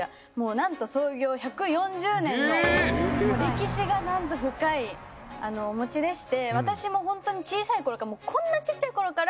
なんと歴史が深いお餅でして私もホントに小さい頃からこんなちっちゃい頃から。